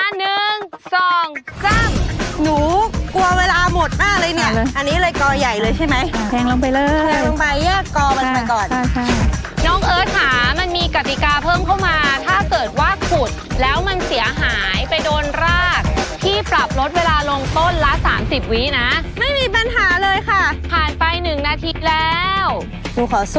น้องเอิ้นค่ะน้องเอิ้นค่ะน้องเอิ้นค่ะน้องเอิ้นค่ะน้องเอิ้นค่ะน้องเอิ้นค่ะน้องเอิ้นค่ะน้องเอิ้นค่ะน้องเอิ้นค่ะน้องเอิ้นค่ะน้องเอิ้นค่ะน้องเอิ้นค่ะน้องเอิ้นค่ะน้องเอิ้นค่ะน้องเอิ้นค่ะน้องเอิ้นค่ะน้องเอิ้นค่ะน้องเอิ้นค่ะน้องเอิ้นค่ะน้องเอิ้นค่ะน